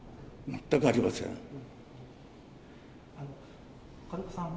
全くありません。